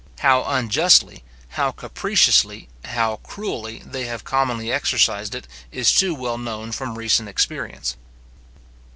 How unjustly, how capriciously, how cruelly, they have commonly exercised it, is too well known from recent experience.